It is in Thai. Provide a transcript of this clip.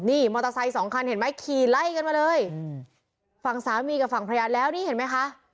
นี่มอเตอร์ไซค์สองคันเห็นไหมขี่ไล่กันมาเลยฝั่งสามีกับฝั่งภรรยาแล้วนี่เห็นไหมคะ